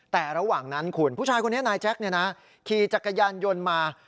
แต่ระหว่างนั้นคุณผู้ชายคนนี้นายแจ๊คขี่จักรยานยนต์มา